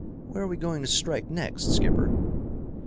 "Where are we going to strike next, skipper?"